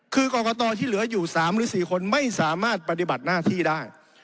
คือกรกตที่เหลืออยู่๓หรือ๔คนไม่สามารถปฏิบัติหน้าที่ได้